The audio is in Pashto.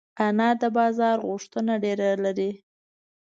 انار د بازار غوښتنه ډېره لري.